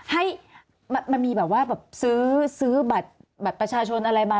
ให้มันมีแบบว่าแบบซื้อบัตรประชาชนอะไรมา